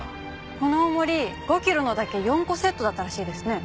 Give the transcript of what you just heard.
この重り５キロのだけ４個セットだったらしいですね。